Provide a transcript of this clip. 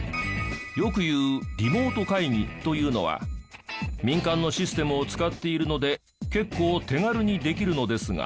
よく言う「リモート会議」というのは民間のシステムを使っているので結構手軽にできるのですが。